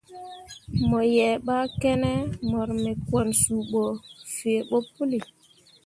Mo yea ɓa kene mor me kwan suu ɓo fuo ɓo pəlli.